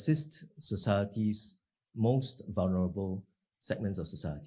dapat memiliki peran yang bergantung